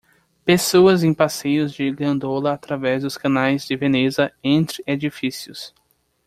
Pessoas em passeios de gôndola através dos canais de Veneza entre edifícios.